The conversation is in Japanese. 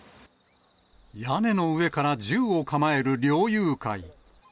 屋根の上から銃を構える猟友会。